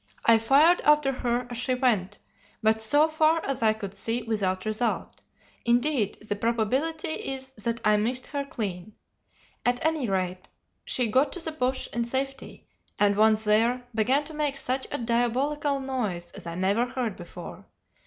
I fired after her as she went, but so far as I could see without result; indeed the probability is that I missed her clean. At any rate she got to the bush in safety, and once there, began to make such a diabolical noise as I never heard before.